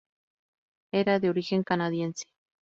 Era de origen canadiense.